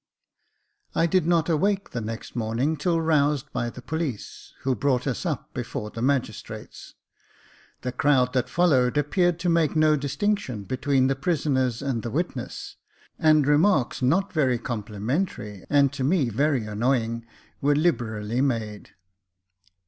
I DID not awake the next morning till roused by the police, who brought us up before the magistrates. The crowd that followed appeared to make no distinction between the prisoners and the witness, and remarks not very compli mentary, and to me very annoying, were liberally made.